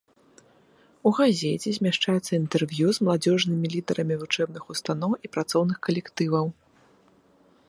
У газеце змяшчаюцца інтэрв'ю з маладзёжнымі лідарамі вучэбных устаноў і працоўных калектываў.